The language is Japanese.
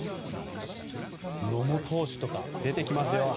野茂投手とか出てきますよ。